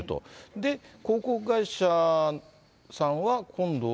で、広告会社さんは、今度は。